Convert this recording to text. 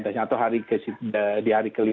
ternyata hari ke enam di hari ke lima